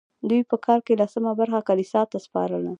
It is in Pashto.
دوی په کال کې لسمه برخه کلیسا ته سپارله.